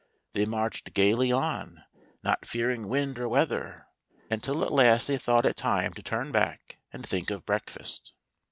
They marched gayly on, not fearing wind or weather, until at last they thought it time to turn back and think of breakfast.